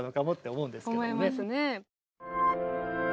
思いますね。